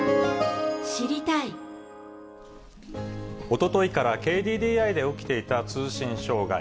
おとといからＫＤＤＩで起きていた通信障害。